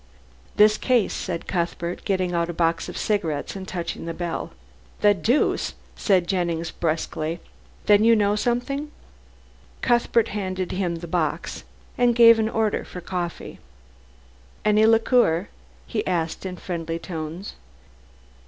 "This case," said Cuthbert, getting out a box of cigarettes and touching the bell. "The deuce!" said Jennings briskly, "then you do know something?" Cuthbert handed him the box and gave an order for coffee. "Any liqueur?" he asked in friendly tones.